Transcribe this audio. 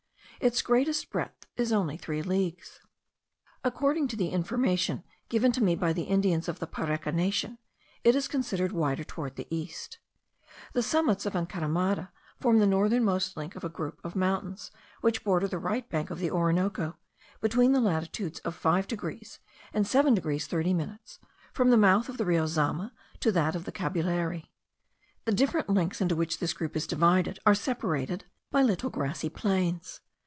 Its greatest breadth is only three leagues. According to information given me by the Indians of the Pareka nation, it is considerably wider toward the east. The summits of Encaramada form the northernmost link of a group of mountains which border the right bank of the Orinoco, between the latitudes of 5 degrees and 7 degrees 30 minutes from the mouth of the Rio Zama to that of the Cabullare. The different links into which this group is divided are separated by little grassy plains.